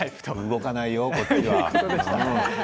動かないよ、こっちは。